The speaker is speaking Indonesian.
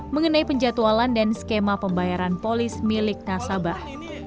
mengenai penjatualan dan skema pembayaran polis milik nasabah